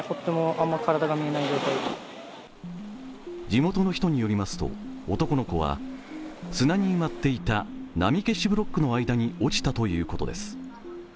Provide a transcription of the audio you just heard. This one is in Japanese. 地元の人によりますと、男の子は砂に埋まっていた波消しブロックの間に落ちたということです。